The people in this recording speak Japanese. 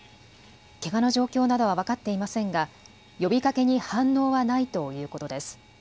けがの状況などは分かっていませんが呼びかけに反応はないということです。